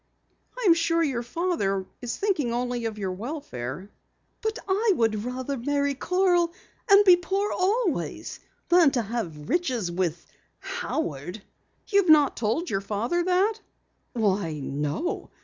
"I am sure your father thinks only of your welfare." "But I would rather marry Carl and be poor always than to have riches with Howard." "You've not told your father that?" "Why, no.